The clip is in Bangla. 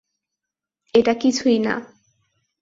এটা কিছুই না।